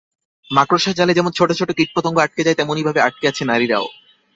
মাকড়সার জালে যেমন ছোট ছোট কীটপতঙ্গ আটকে যায়, তেমনিভাবে আটকে আছে নারীরাও।